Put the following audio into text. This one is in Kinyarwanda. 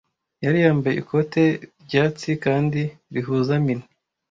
Yari yambaye ikote ryatsi kandi rihuza mini